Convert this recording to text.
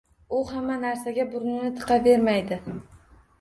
U hamma narsaga burnini tiqavermaydi